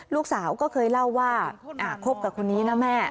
ลูกสาวก็เคยเล่าว่าคบกับคนนี้นะแม่